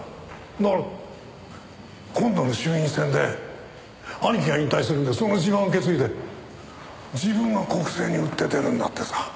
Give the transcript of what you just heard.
だから今度の衆院選で兄貴が引退するんでその地盤を受け継いで自分が国政に打って出るんだってさ。